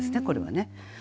これはね。